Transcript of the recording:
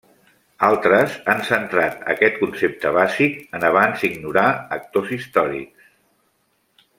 Altres han centrat aquest concepte bàsic en abans ignorats actors històrics.